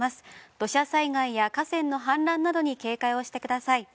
土砂災害や河川氾濫などに警戒をしてください。